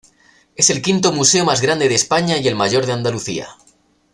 Es el quinto museo más grande de España y el mayor de Andalucía.